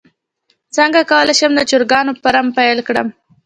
څنګه کولی شم د چرګانو فارم پیل کړم